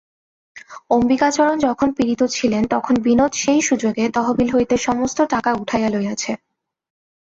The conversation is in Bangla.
অম্বিকাচরণ যখন পীড়িত ছিলেন তখন বিনোদ সেই সুযোগে তহবিল হইতে সমস্ত টাকা উঠাইয়া লইয়াছে।